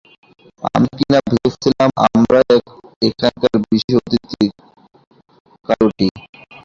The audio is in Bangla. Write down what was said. আমি কিনা ভেবেছিলাম আমরাই এখানকার বিশেষ অতিথি, কায়োটি।